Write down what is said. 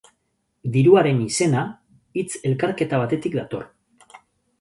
Diruaren izena hitz elkarketa batetik dator.